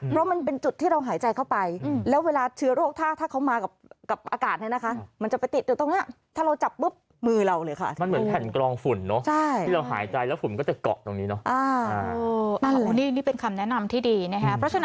เพราะมันเป็นจุดที่เราหายใจเข้าไปแล้วเวลาเชื้อโรคถ้าเขามากับอากาศ